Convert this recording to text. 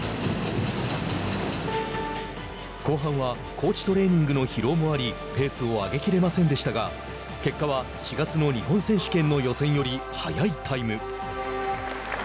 後半は高地トレーニングの疲労もありペースを上げきれませんでしたが結果は４月の日本選手権の予選より速いタイム。